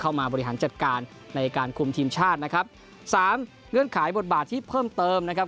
บริหารจัดการในการคุมทีมชาตินะครับสามเงื่อนไขบทบาทที่เพิ่มเติมนะครับ